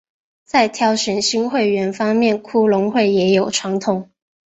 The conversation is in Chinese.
在挑选新会员方面骷髅会也有传统。